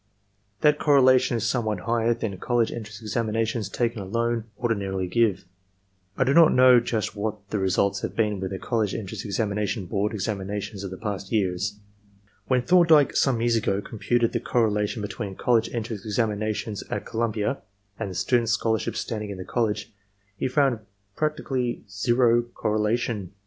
That correlation is somewhat higher than college entrance examinations taken alone ordinarily give. I do not know just what the results have been with the College Entrance Examination Board examinations of the past years. When Thorndike some years ago computed the correlation between college entrance examinations at Columbia and the student's scholarship standing in the college, he found prac 176 ARMY MENTAL TESTS _ tically zero correlation.